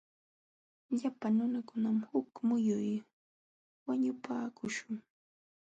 Llapa nunakunam huk muyun wañupaakuśhun.